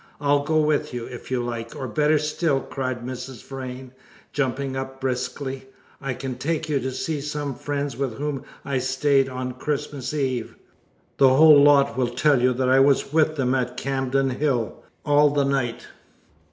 I'll go with you, if you like; or better still," cried Mrs. Vrain, jumping up briskly, "I can take you to see some friends with whom I stayed on Christmas Eve. The whole lot will tell you that I was with them at Camden Hill all the night."